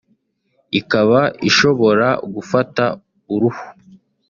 ikaba ishobora gufata uruhu